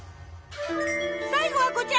最後はこちら！